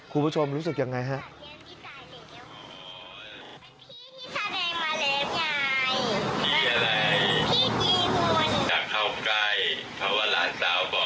คุณผู้ชมรู้สึกอย่างไรครับ